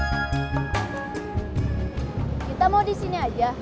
seneng pergi sama temennya